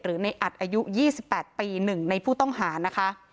ในอัดอายุ๒๘ปี๑ในผู้ต้องหานะคะ